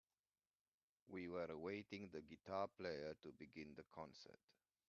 We were awaiting the guitar player to begin the concert.